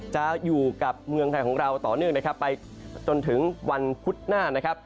จะอยู่กับเมืองไทยของเราต่อเนื่องนะครับไปจนถึงวันพุธหน้านะครับ